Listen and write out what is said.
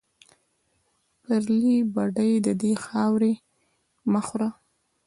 پرلې بډۍ دې خاورې مه خوره